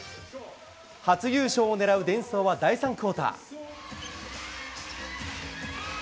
初優勝をねらうデンソーは、第３クオーター。